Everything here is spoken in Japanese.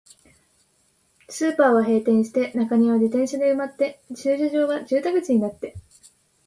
スーパーは閉店して、中庭は自転車で埋まって、駐車場は住宅地になって、